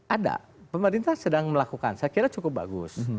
ada pemerintah sedang melakukan saya kira cukup bagus